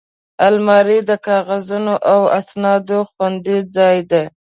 الماري د کاغذونو او اسنادو خوندي ځای دی